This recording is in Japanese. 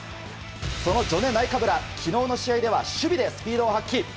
そのジョネ・ナイカブラ昨日の試合では守備でスピードを発揮。